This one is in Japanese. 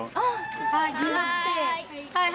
はい。